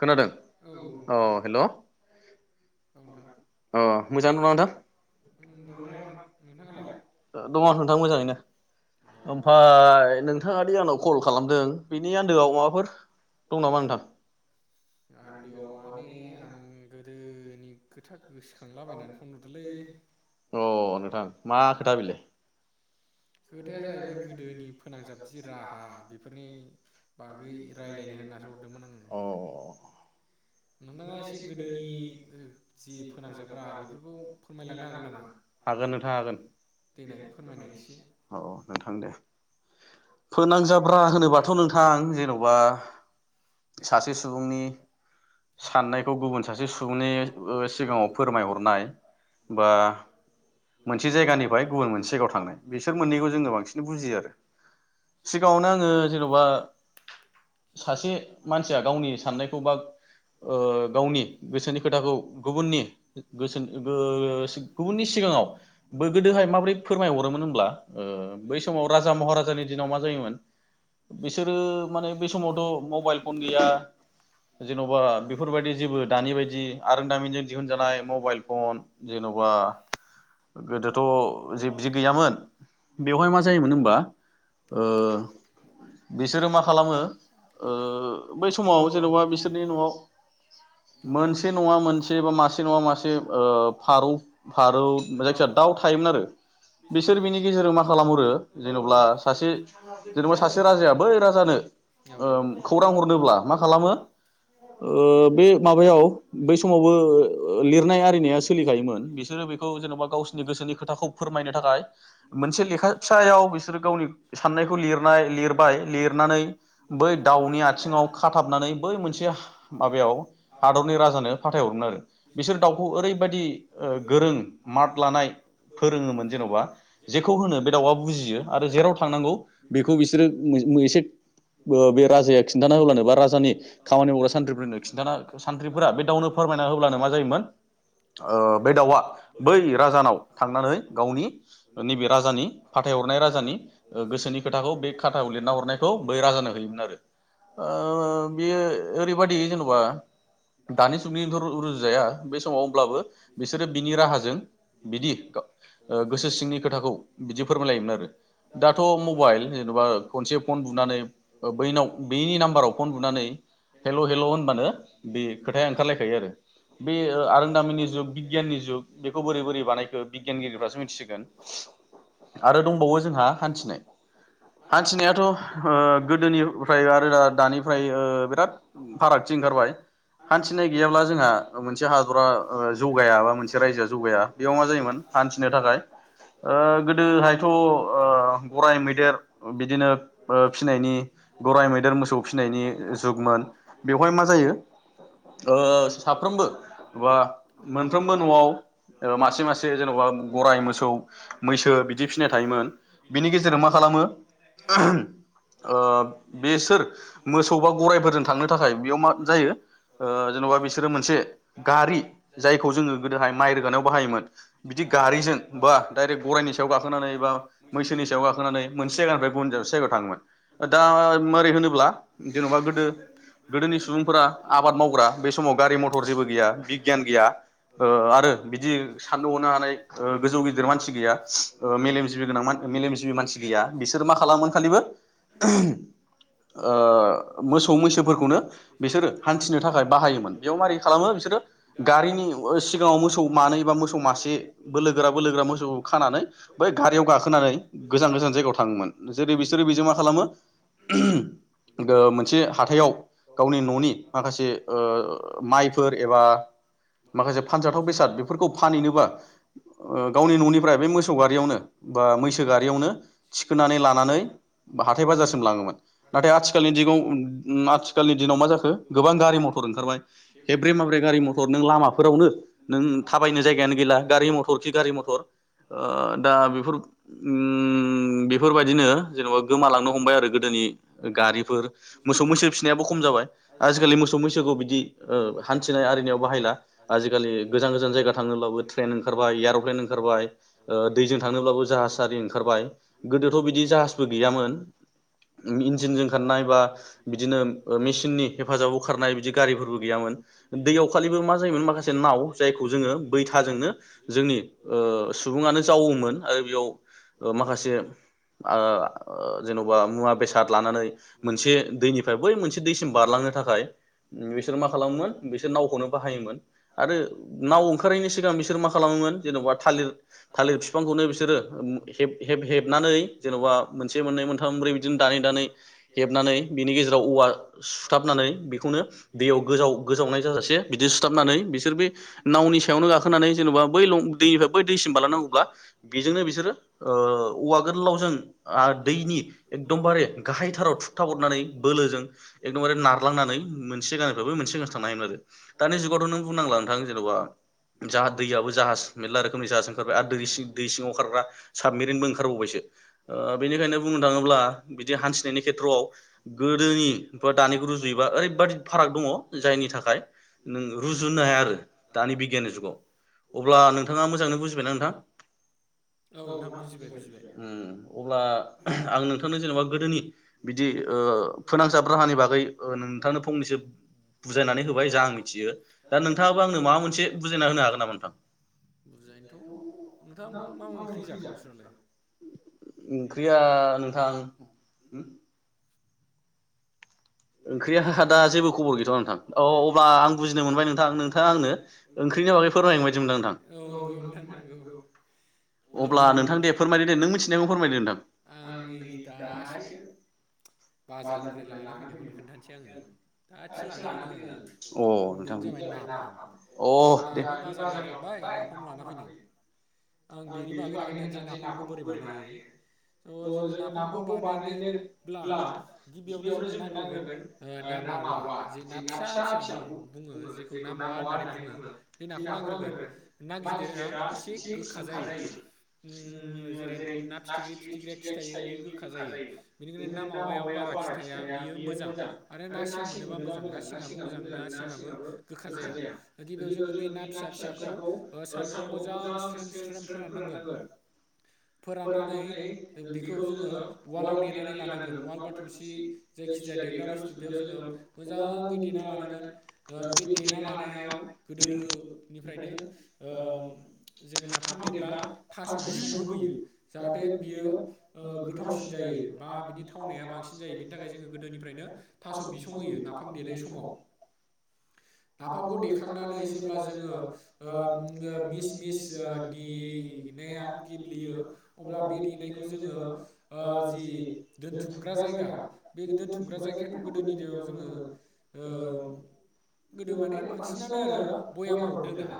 खोनादों अ हेलौ अ मोजां नङा नोंथां? दङ नोंथां मोजाङैनो। ओमफ्राय नोंथाङा दि आंनाव कल खालामदों बेनि आन्दोआव माबाफोर दं नामा नोंथां? आन्दो आव माने आं गोदो गोनि खोथा अ नोंथां मा खोथा बिलाय? खोथाया जाहैबाय गोदोनि फोनांजाब जि राहा बेफोरनि बागै रायलायनो होन्नासो हरदोंमोन आङो। हागोन नोंथां हागोन औ नोंथां दे। फोनांजाब राहा होनोबाथ नोंथां जेनबा सासे सुबुंनि साननायखौ गुबुन सासे सुबुंनि सिगाङाव फोरमायहरनाय बा मोनसे जायगानिफ्राय गुबुन मोनसे जायगायाव थांनाय बिसोर मोननैखौ जोङो बांसिन बुजियो आरो। सिगाङावनो आङो जेनबा सासे मानसिया गावनि सान्नायखौ बा ओ गावनि गोसोनि खोथाखौ गुबुननि गोसोनि गोसो गुबुननि सिगाङाव गोदोहाय माबोरै फोरमायहरोमोन होनब्ला ओ बै समाव राजा महाराजानि दिनाव मा जायोमोन बिसोरो माने बे समावथ मबाइल फन गैया जेनबा बेफोरबायदि जेबो दानि बायदि आरो दामिनजों दिहुनजानाय मबाइल फन जेनबा गोदोथ जे बि गैयामोन बेवहाय मा जायोमोन होमबा ओ बिसोरो मा खालामो ओ बै समाव जेनबा बिसोरनि न'आव मोनसे नङा मोनसे बा मासे नङा मासे फारौ फारौ जायखिजाया दाउ थायोमोन आरो बिसोर बिनि गेजेरजों मा खालामहरो जेनेब्ला सासे जेनेबा सासे राजाया बै राजानो ओम खौरां हरनोब्ला मा खालामो बे माबायाव बै समावबो लिरनाय आरिनाया सोलिखायोमोन बिसोरो बेखौ जेनबा गावसोरनि गोसोनि खोथाखौ फोरमायनो थाखाय मोनसे लेखा फिसायाव बिसोरो गावनि सान्नायखौ लिरनाय लिरबाय लिरनानै बै दाउनि आथिङाव खाथाबनानै बै मोनसे हादरनि राजानो फाथायहरोमोन आरो बिसोर दाउखौ ओरैबायदि ओ गोरों मात लानाय फोरोङोमोन जेनबा जेखौ होनो बे दाउआ बुजियो आरो जेराव थांनांगौ बेखौ बिसोरो ओ एसे बे राजाया खिन्थाना होब्लानो बा राजानि खामानि मावग्रा सानथ्रिफोरनो खिन्थाना सानथ्रिफोरा बे दाउनो फोरमायना होब्लानो मा जायोमोन बे ओ दाउआ बै राजानाव थांनानै गावनि नैबे राजानि फाथायहरनाय राजानि ओ गोसोनि खोथाखौ बे खाथायाव लिरना हरनायखौ बै राजानो होयोमोन आरो ओ बेयो ओरैबादि जेनबा दानि जुगनिथ रुजुजाया बे समाव अब्लाबो बिसोरो बिनि राहाजों बिदि गोसो सिंनि खोथाखौ बिदि फोरमायलायोमोन आरो दाथ मबाइल जेनबा खनसे फन बुनानै बैनाव बैनि नाम्बाराव फन बुनानै हेल हेल होनबानो बे खोथाया ओंखारलायखायो आरो बे ओ आरोंदामिनि जुग बिगियाननि जुग बेखौ बोरै बोरै बानायखो बिगियानगिरिफ्रासो मिथिसिगोन आरो दंबावो जोंहा हान्थिनाय हान्थिनायाथ ओ गोदोनिफ्राय आरो दानिफ्राय ओ बिराद फारागथि ओंखारबाय हान्थिनाय गैयाब्ला जोंहा मोनसे हादरा ओ जौगाया बा मोनसे रायजोआ जौगाया बेयाव मा जायोमोन हान्थिनो ओ थाखाय गोदोहायथ गराय मैदेर बिदिनो फिनायनि गराइ मैदेर मोसौ फिनायनि जुगमोन। बेवहाय मा जायो ओ साफ्रोमबो बा मोनफ्रोमबो नआव ओ मासे मासे जेनबा गराइ मोसौ मैसो बिदि फिसिनाय थायोमोन बिनि गेजेराव मा खालामो ओ बेसोर मोसौ बा गराइफोरजों नो थाखाय बेयाव मा जायो ओ जेनबा बिसोरो मोनसे गारि जायखौ जोङो गोदोहाय माइ रोगानायाव बाहायोमोन बिदि गारिजों बा डाइरेक्ट गराइनि सायाव गाखोनानै बा मैसोनि सायाव गाखोनानै मोनसे जायगानिफ्राय गुबुन मोनसे [unintelligible] थाङोमोन दा मारै होनोब्ला जेनबा गोदो गोदोनि सुबुं फोरा आबाद मावग्रा बे समाव गारि मथर जेबो गैया बिगियान गैया ओ आरो बिदि साननो हनो हानाय ओ गोजौ गिदिर मानसि गैया ओ मेलेम जिबि गोनां मान मेलेम जिबि मानसि गैया बिसोर मा खालामो खालिबो ओ मोसौ मैसो [inaudible] बिसोरो हान्थिनो थाखाय बाहायोमोन बेयाव मारै खालामो बिसोरो गारिनि सिगाङाव मोसौ मानै बा मोसौ मासे बोलोगोरा बोलोगोरा मोसौखौ खानानै बै गारियाव गाखोनानै गोजान गोजान जायगायाव थाङोमोन जेरै बिसोरो बेजों मा खालामो दो मोनसे हाथायाव गावनि ननि माखासे ओ माइफोर एबा माखासे फानजाथाव बेसाद बेफोरखौ फानैनोबा गावनि ननिफ्राय बे मोसौ गारियावनो बा मैसो गारियावनो थिखोनानै लानानै हाथाय बाजारसिम लाङोमोन नाथाय आथिखालनि [inaudible] [unintelligible] मा जा खो गोबां गारि मटर ओंखारबाय हेब्रे माब्रे गारि मटर नों लामाफोरावनो नों थाबायनो जायगायानो गैला गारि मटर खि गारि मटर ओ दा बेफोर उम बेफोरबायदिनो जेनबा गोमालांनो हमबाय आरो गोदोनि गारिफोर मोसौ मैसो [inaudible] [unintelligible] खम जाबाय आजिखालि मोसौ मैसोखौ बिदि ओ हान्थिनाय आरिनायाव बाहायला आजिखालि गोजान गोजान जायगा थांनोब्लाबो ट्रेन ओंखारबाय इयारप्लेन ओंखारबाय ओ दैजों थांनोब्लाबो जाहाज आरि ओंखारबाय गोदोथ बिदि जाहाजबो गैयामोन इन्जिनजों खारनाय बा बिदिनो [unintelligible] हेफाजाबाव खारनाय बिदि गारिफोरबो गैयामोन दैयाव खालिबो मा जायोमोन माखासे नाव जायखौ जोङो बैथाजोंनो जोंनि ओ सुबुङानो जावोमोन आरो बेयाव माखासे आ जेनबा मुवा बेसाद लानानै मोनसे दैनिफ्राय बै मोनसे दैसिम बारलांनो थाखाय बिसोर मा खालामोमोन बिसोर नावखौनो बाहायोमोन आरो नाव ओंखारैनि सिगां बिसोर मा खालामोमोन जेनबा थालिर थालिर फिफांखौनो बिसोरो हेब-हेब-हेबनानै जेनबा मोनसे मोननै मोनथाम मोनब्रै बिदिनो दानै दानै हेबनानै बिनि गेजेराव औवा सुथाबनानै बेखौनो दैयाव गोजाव गोजावनाय जाजासे बिदि सुथाबनानै बिसोर बे नावनि सायावनो गाखोनानै जेनेबा बै लं दैनिफ्राय बै दैसिम बालानांगौब्ला बेजोंनो बिसोरो अ औवा गोरलावजों आ दैनि एकदमबारे गाहायथाराव थुखथा हरनानै बोलोजों एकदमबारे नारलांनानै मोनसे जायगानिफ्रायबो मोनसे जायगासिम थांनो हायोमोन आरो दानि जुगावथ नों बुंनांला नोंथां जेनबा जाह दैयाबो जाहाज मेरला रोखोमनि जाहाज ओंखारबाय आरो दै सिं दै सिङाव खारग्रा साबमेरिनबो ओंखारबावबायसो ओ बेनिखायनो बुंनो थाङोब्ला बिदि हान्थिनायनि खेथ्रआव गोदोनि बा दानिखौ रुजुयोबा ओरैबादि फाराग दङ जायनि थाखाय नों रुजुनो हाया आरो दानि बिगियाननि जुगाव अब्ला नोंथाङा मोजाङै बुजिबायना नोंथां? उम अब्ला आं नोंथांनो जेनेबा गोदोनि बिदि ओ फोनांजाब राहानि बागै नोंथांनो फंनैसो बुजायनानै होबाय जा आं मिथियो दा नोंथाङाबो आंनो माबा मोनसे बुजायना होनो हागोन नामा नोंथां? [inaudible] ओंख्रिया नोंथां ओंख्रिया दा जेबो खबर गैथवा नोंथां अ अब्ला आं बुजिनो मोनबाय नोंथां नोंथाङा आंनो ओंख्रिनि बागै फोरमायगोनबादि मोनदां नोंथां अब्ला नोंथां दे फोरमायदो दे नों मिथिनायखौ फोरमायदो नोंथां बाजारनिफ्राय लाना फैनाय खोन्थानसै आङो दासो लाना फैदों आङो बेनो जाबाय नाफाम आं दानि बाजाराव थांबाय नाफाम लाना फैदों। आं बिनि बागैनो खोन्थानोसै नाफामखौ बोरै बानायो? त जोङो नाफामखौ बानायनो ब्ला गिबियावनो जोंनो नांग्रोगोन ओ ना मावा जि ना फिसा फिसा जेखौ ना मावा होननानै बुङो। बे नाखौ नांग्रोगोन ना गिदिरा इसे गोखा [inaudible] उम जेरै ना फिथिख्रि फिरिख्रिआ खि थायो बियो गोखा जायो बेनिखायनो ना मावायाव बारा खि थाया बेयो मोजां आरो ना सिं मोनोबा मोजां ना सिंआबो मोजां ना सिङाबो गोखा जाया बिदिनो जोङो बे ना फिसा फिसाखौ सानदुङाव मोजां स्रेम, स्रेम मोजां फोराननांगोन फोराननानै बेखौ जोङो उवालाव देनानै लानांगोन जि जायखि जाया देग्रा बुस्थु बेयाव जोङो मोजाङै देना लानांगोन ओ बे देना लानायाव गोदो निफ्रायनो ओ जों ना नाफाम देब्ला थास बिसं बो होयो जाहाथे बियो ओ गोथावसिन जायो बा बिनि थावनाया बांसिन बिनि थाखाय जोङो गोदोनिफ्रायनो थास बिसं होयो नाफाम देनाय समाव नाफामखौ देखांनानै जेब्ला जोङो ओ मिस मिस ओ एयै है देनाया गेब्लेयो अब्ला बे देनायखौ जोङो ओ जि दोनथुमग्रा जा जायगा बे दोनथुमग्रा जायगायाथ' गोदोनि दिनाव जोङो ओ गोदो माने बांसिनानो आरो भयामफ्राव दोना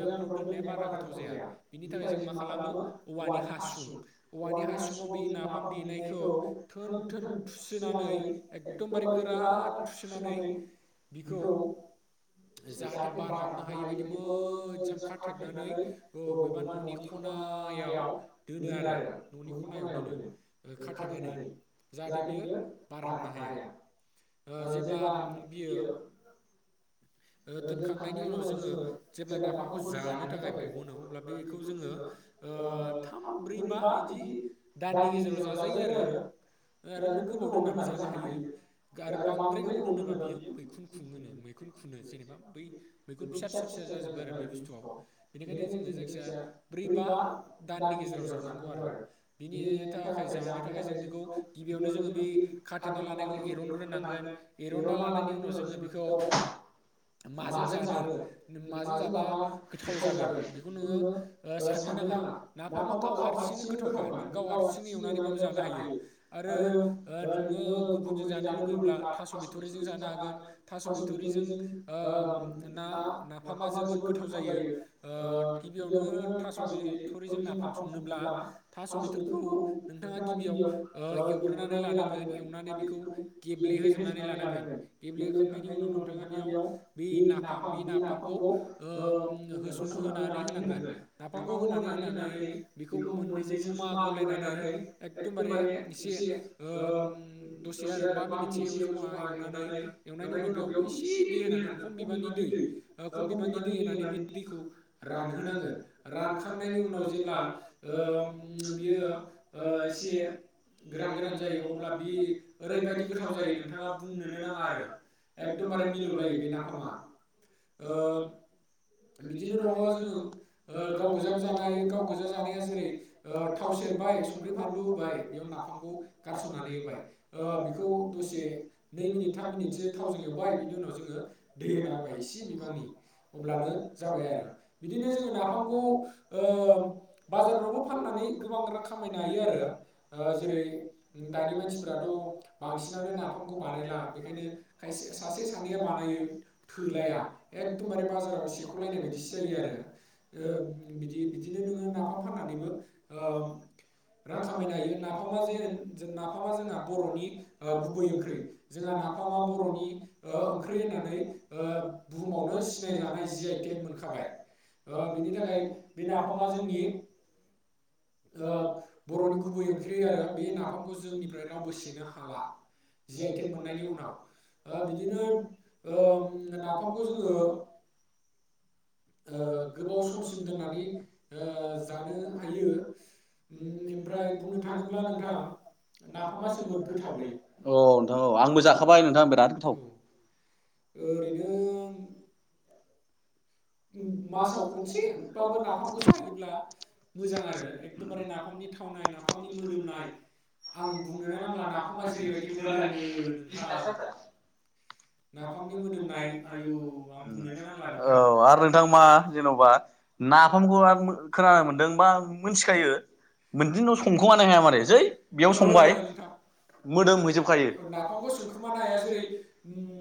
भयामफ्राव दोननाया बारा गोथाव जाया। बिनि थाखाय जों मा खालामो औवानि हासुं, औवानि हासुुङाव बे नाफाम देनायखौ थोन थोन थुसोननानै एकदमबारे गोरा थुस्रोनानै बिखौ जाहाथे बारहाबनो हायै बायदि मोजां खाथेबनानै बबेबा ननि ख'नायाव दोनो आरो ननि खनायाव दोनो खाथेनानै जे [unintelligible] बियो बार हाबनो हाया। जेब्ला बियो दोनखांनायनि उनाव जोङो जेब्ला नाफामखौ जानो थाखाय बहनो अब्ला बेखौ जोङो ओ थाम ब्रै बा बिदि दाननि गेजेराव जाजायो आरो आरो नों गोबाव दोननाबो जानो हायो आरो बांद्राय गोबाव दोनोबा बियो मैखुन खुङोनो मैखुन खुनो जेनेबा बै मैखुन फिसा फिसा जाजोबगोन आरो बे बुस्थुआव बेनिखायनो जोङो जायखिया ब्रै बा दाननि गेजेराव जानांगौ आरो बिनि थाखाय जानो थाखाय जों बेखौ गिबियावनो जोङो बे खाथेना लानायखौ एरनग्रोनांगोन एरनना लानायनि उनाव जोङो बेखौ माजों जानो माजों जाबा गोथाव जागोन बेखौ नोङो साननो नाङा नाफामा गाव हारसिंनो गोथावखा नों गाव हारसिंनो एवनानैबाबो जानो हायो। आरो ओ नोङो गुबुनजों जानो लुुबैब्ला थास बिथ'रिजों जानो हागोन थास बिथ'रिजों ओ ना नाफामा जोबोद गोथाव जायो ओ गिबियावनो थास बिथ'रिजों नाफाम संनोब्ला थास बिथरखौ नोंथाङा गिबियाव ओ एवग्रोनानै लानांगोन एवनानै बेखौ गेब्लेहोजोबनानै लानांगोन गेब्लेखांनायनि उनाव नोंथाङा बेयाव बे नाफाम बे नाफामखौ ओ होसन होनानै होनांगोन नाफामखौ होनानै -होनानै बेखौ मोननैजों जमा गलायनानै एखदमबारे एसे ओम ओ दसे आरो बा मिनिटसो जमा एवनानै एवनायनि उनाव बेयाव एसे दै [unintelligible] खम बिबांनि दै खम ओ खम बिबांनि दै होनानै बे दैखौ रानहोनांगोन रानखांनायनि उनाव जेब्ला ओ बियो ओ एसे गोरान गोरान जायो अब्ला बि ओरैबायदि गोथाव जायो नोंथाङा बुंनोनो नाङा आरो एकदमबारे मिलौलायो बे बे नाफामा ओ बिदिनो दङ जोंङो ओ गाव गोजाबो जानो गाव गोजा जानाया ओ जेरै ओ थाव सेरबाय संख्रि फानलु होबाय बे नाफामखौ गारसननानै होबाय ओ बेखौ दसे नै मिनिट थाम मिनिटसो थावजों एवबाय बिनि उनाव जोंङो दै होना होबाय एसे बिबांनि अब्लानो जाबाय आरो बिदिनो जोंङो नाफामखौ ओ बाजारफ्रावबो फाननानै गोबां रां खामायनो हायो आरो। ओ जेरै दानि मानसिफ्राथ बांसिनानो नाफामखौ बानायला बेखायनो खायसे सासे सानैया बानायो थोलाया एखदमबारे बाजाराव सेखलायनाय बायदिसो जायो आरो ओ बिदि बिदिनो नोंङो नाफाम फाननानैबो ओ रां खामायनो हायो। नाफामा जे नाफामा जोंहा बर'नि गुबै ओंख्रै जोंहा नाफामा बर'नि ओ ओंख्रै होननानै ओ बुहुमावबो सिनायखानाय जि आइ टेक मोनखानाय ओ बिनि थाखाय बे नाफामा जोंनि ओ बर'नि गुबै ओंख्रि ख्रि आरो बे नाफामखौ जोंनिफ्राय रावबो सेनो हाला जि आइ टेक मोननायनि उनाव ओ बिदिनो ओम नाफामखौ जोंङो ओ गोबाव समसिम दोननानै ओ जानो हायो ओम इमफ्राय बुंनो थांङोब्ला नोंथां नाफामा जोबोद गोथावलै अ नोंथां अ आंबो जाखाबाय नोंथां बेराद गोथाव। ओरै नो मासाव खनसेबाबो नाफामखौ [unintelligible] मोजां आरो [unintelligible] नाफामनि थावनाय नाफामनि मोदोमनाय आं बुंनोनो नांला नाफामा जैरैबायदि मोदोमो नोंथां नाफामनि मोदोमनाय आयु बुंनोनो नांला औ थां मा जेनबा नाफामखौ आरो खोनानो मोनदों बा मोनथिखायो मोनदिन संखुमानो हाया माने जै बेयाव संबाय मोदोम हैजोबखायो नाफामखौ संखुमानो हाया जेरै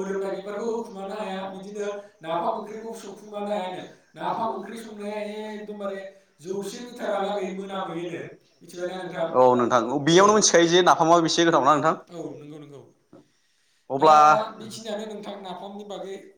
मोदोमनाय बिबारखौ होखुमानो हाया बिदिनो नाफाम ओंख्रिखौ खुमानो हायानो नाफाम ओंख्रि संनाया एकदमबारे जौसे मिटारहालागै मोनामहोयोनो मिथिबायना नोंथां [unintelligible] औ नोंगौ नोंगौ। अब्ला [unintelligible]